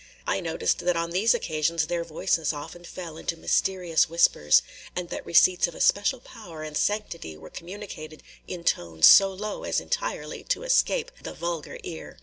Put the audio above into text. I noticed that on these occasions their voices often fell into mysterious whispers, and that receipts of especial power and sanctity were communicated in tones so low as entirely to escape the vulgar ear.